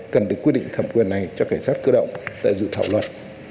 cần được quy định thẩm quyền này cho cảnh sát cơ động tại dự thảo luật